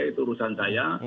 itu urusan saya